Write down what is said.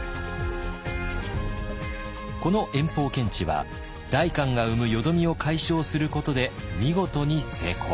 この延宝検地は代官が生む淀みを解消することで見事に成功。